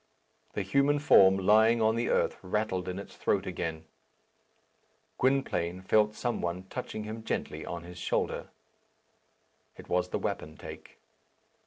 The human form lying on the earth rattled in its throat again. Gwynplaine felt some one touching him gently on his shoulder. It was the wapentake.